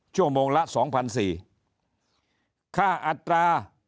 ชั่วโมงละ๒๔๐๐บาทค่าอันตรา